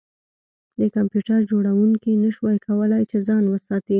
د کمپیوټر جوړونکي نشوای کولی چې ځان وساتي